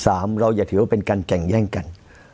เราอย่าถือว่าเป็นการแก่งแย่งกัน